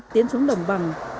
tiến xuống đồng bằng